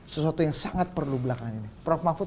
sesuatu yang sangat perlu belakangan ini prof mahfud